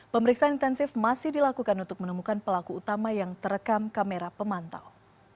pemeriksaan intensif masih dilakukan untuk menemukan pelaku utama yang terekam kamera pemantau